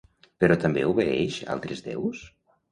Però també obeeix altres déus?